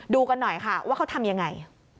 ดูกันหน่อยค่ะว่าเขาทำยังไง